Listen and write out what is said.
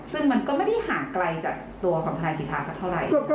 ซึ่งมันก็ไม่ได้ห่างไกลจากตัวของทนายสิทธาสักเท่าไหร่